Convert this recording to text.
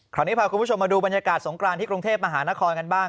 คราวนี้พาคุณผู้ชมมาดูบรรยากาศสงกรานที่กรุงเทพมหานครกันบ้าง